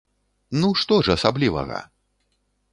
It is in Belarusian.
Ну што ж асаблівага!